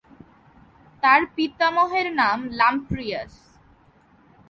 তার পিতামহের নাম লাম্প্রিয়াস।